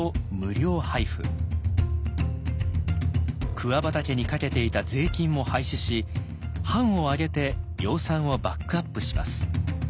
桑畑にかけていた税金も廃止し藩を挙げて養蚕をバックアップします。